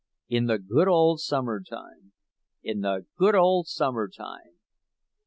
In the good old summertime—in the good old summertime!"